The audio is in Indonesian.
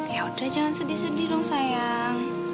ya udah jangan sedih sedih dong sayang